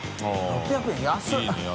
「６００円」安い。